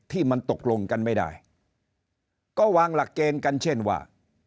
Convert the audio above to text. ที่มันตกลงกันไม่ได้ก็วางหลักเกณฑ์กันเช่นว่า